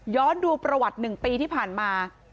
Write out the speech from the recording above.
ย้อนดูประวัติหนึ่งปีที่ผ่านมา